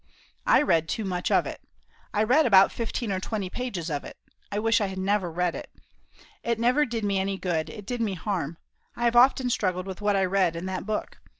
I read too much of it. I read about fifteen or twenty pages of it. I wish I had never read it. It never did me any good; it did me harm. I have often struggled with what I read in that book.